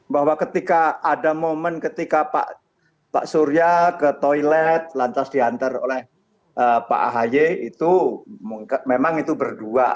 bahwa ketika ada momen ketika pak surya ke toilet lantas diantar oleh pak ahy itu memang itu berdua